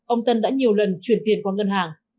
ông tân đã nhiều lần chuyển tiền qua ngân hàng